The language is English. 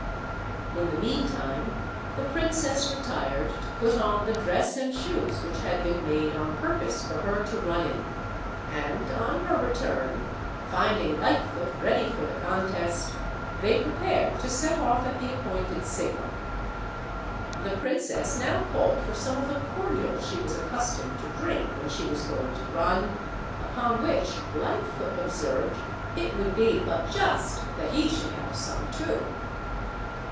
In the meantime the princess retired to put on the dress and shoes which had been made on purpose for her to run in, and on her return, finding Lightfoot ready for the con test, they prepared to set off at the appointed signal. The princess now called for some of the cordial she was accustomed to drink when she was going to run, upon which Lightfoot observed it would be but just that he should have some too.